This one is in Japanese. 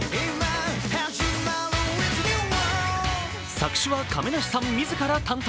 作詞は亀梨さん自ら担当。